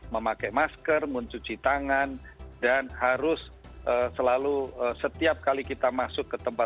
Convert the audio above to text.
memakai masker mencuci tangan dan harus selalu setiap kali kita masuk ke tempat